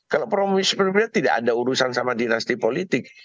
kalau promosi berbeda tidak ada urusan sama dinasti politik